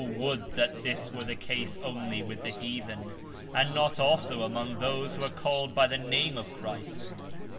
would that this were the case only with the heathen ; and not also among those who are called by the name of Christ